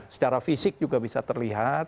secara fisik juga bisa terlihat